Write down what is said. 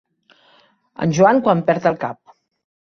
En Joan quan perd el cap.